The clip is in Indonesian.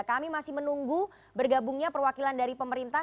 kami masih menunggu bergabungnya perwakilan dari pemerintah